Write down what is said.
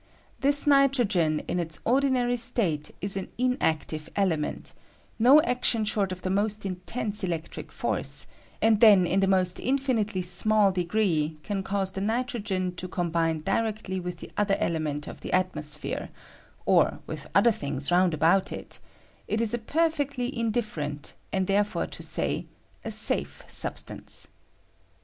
This nitrogen in its ordinary state is an inactive element; no action short of the most intense electric force, and then in the most infinitely small degree, can cause the nitrogen to com bine directly with the other element of the at mosphere, or with other things round about it ; it is a perfectly indifferent, and therefore to say, a safe substance.